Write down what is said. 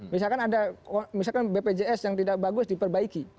misalkan ada misalkan bpjs yang tidak bagus diperbaiki